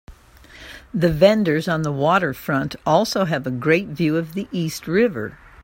The vendors on the waterfront also have a great view of the East River.